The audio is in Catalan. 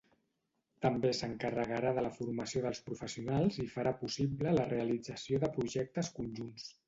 També s'encarregarà de la formació dels professionals i farà possible la realització de projectes conjunts.